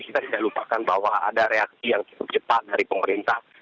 kita tidak lupakan bahwa ada reaksi yang cukup cepat dari pemerintah